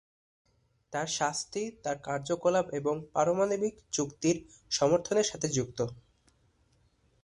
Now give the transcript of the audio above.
তার শাস্তি তার কার্যকলাপ এবং পারমাণবিক চুক্তির সমর্থনের সাথে যুক্ত।